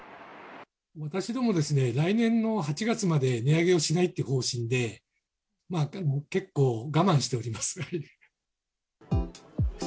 私ども、来年の８月まで値上げをしないという方針で、結構我慢しております